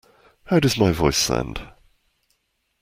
How does my voice sound?